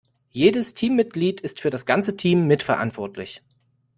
Jedes Teammitglied ist für das ganze Team mitverantwortlich.